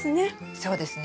そうですね。